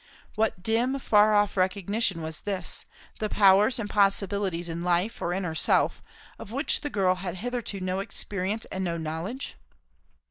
What dim, far off recognition was this, of powers and possibilities in life or in herself of which the girl had hitherto no experience and no knowledge?